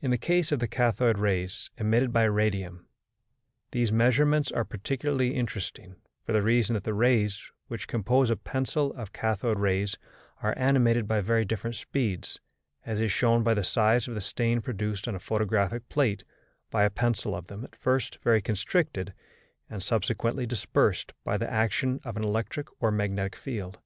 In the case of the cathode rays emitted by radium, these measurements are particularly interesting, for the reason that the rays which compose a pencil of cathode rays are animated by very different speeds, as is shown by the size of the stain produced on a photographic plate by a pencil of them at first very constricted and subsequently dispersed by the action of an electric or magnetic field.